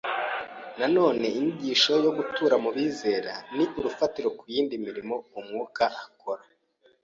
Na none, inyigisho yo gutura mu bizera ni urufatiro ku yindi mirimo Umwuka akora